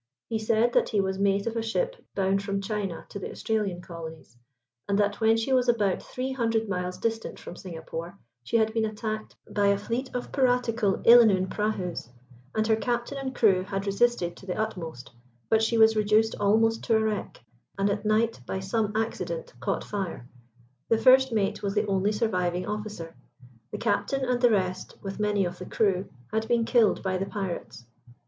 He said that he was mate of a ship bound from China to the Australian colonies, and that when she was about three hundred miles distant from Singapore, she had been attacked by a fleet of piratical Illanoon prahus, and her captain and crew had resisted to the utmost, but she was reduced almost to a wreck, and at night by some accident caught fire. The first mate was the only surviving officer; the captain and the rest, with many of the crew, had been killed by the pirates.